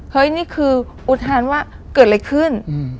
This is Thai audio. เฮ้ยนี่คืออุทธฟังว่าเกิดอะไรขึ้น